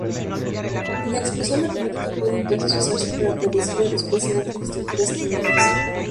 La expresión matemática puede entonces usarse para predecir la respuesta de otras estructuras químicas.